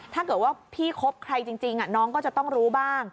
ถ้าเกิดว่าพี่คบใครจริงน้องก็จะต้องรู้บ้าง